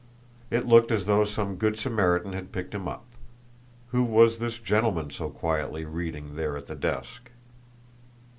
It looked as though some good Samaritan had picked him up. Who was this gentleman so quietly reading there at the desk?